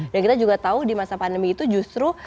dan kita juga tahu di masa pandemi itu justru